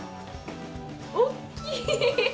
大きい！